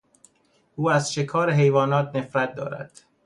او از شکار حیوانات نفرت دارد.